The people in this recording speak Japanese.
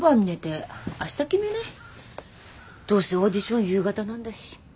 どうせオーディション夕方なんだし。